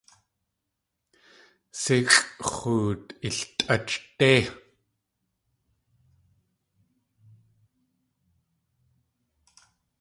Sʼíxʼ x̲oot iltʼách déi!